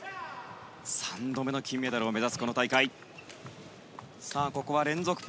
３度目の金メダルを目指すこの大会。